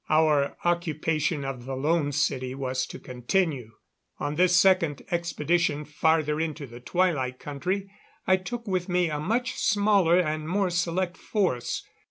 Our occupation of the Lone City was to continue. On this second expedition farther into the Twilight Country I took with me a much smaller and more select force.